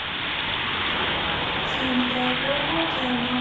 先手５五桂馬。